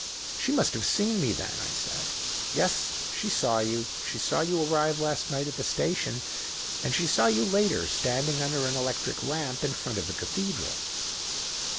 "'She must have seen me, then,' I said. "'Yes, she saw you. She saw you arrive last night at the station. And she saw you later, standing under an electric lamp, in front of the Cathedral.'